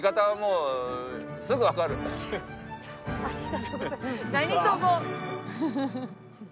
ありがとうございます。